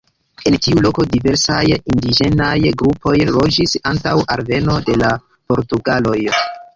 En tiu loko diversaj indiĝenaj grupoj loĝis antaŭ alveno de la portugaloj.